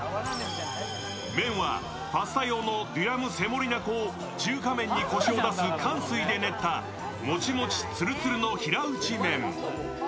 麺はパスタ用のデュラム・セモリナ粉を中華麺にこしを出すかんすいで練ったモチモチ・ツルツルの平打ち麺。